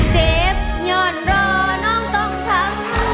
เจ็บหย่อนรอน้องต้องพัง